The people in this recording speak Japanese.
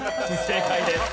正解です。